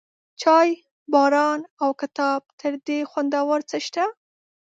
چای، باران، او کتاب، تر دې خوندور څه شته؟